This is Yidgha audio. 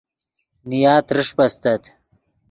نیا ترݰپ استت